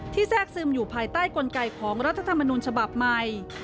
แทรกซึมอยู่ภายใต้กลไกของรัฐธรรมนูญฉบับใหม่